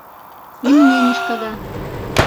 І мне не шкада.